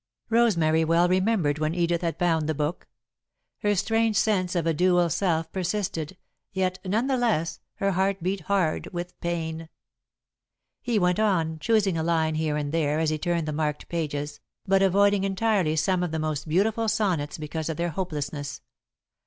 Rosemary well remembered when Edith had found the book. Her strange sense of a dual self persisted, yet, none the less, her heart beat hard with pain. He went on, choosing a line here and there as he turned the marked pages, but avoiding entirely some of the most beautiful sonnets because of their hopelessness.